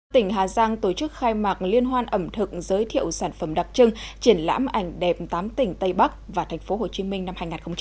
tỉnh hà giang tổ chức khai mạc liên hoan ẩm thực giới thiệu sản phẩm đặc trưng triển lãm ảnh đẹp tám tỉnh tây bắc và thành phố hồ chí minh năm hai nghìn hai mươi